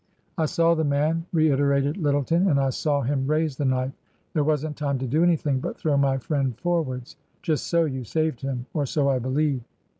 " I saw the man," reiterated Lyttleton. " And I saw him raise the knife. There wasn't time to do anything but throw my friend forwards." "Just so. You saved him. Or so I believe."